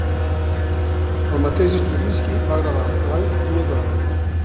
El mateix Stravinski va gravar el treball dues vegades.